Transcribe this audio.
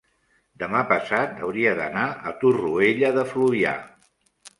demà passat hauria d'anar a Torroella de Fluvià.